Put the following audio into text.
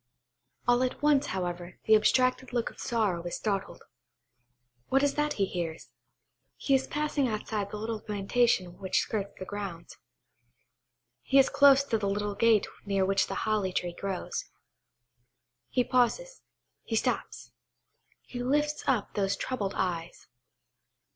All at once, however, the abstracted look of sorrow is startled. What is it that he hears? He is passing outside the little plantation which skirts the grounds. He is close to the little gate near which the holly tree grows. He pauses,–he stops–he lifts up those troubled eyes.